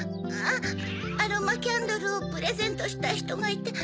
アロマキャンドルをプレゼントしたいひとがいて。